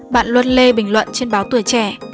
bạn luân lê bình luận trên báo tuổi trẻ